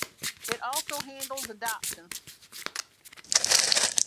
It also handles adoptions.